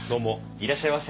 いらっしゃいませ。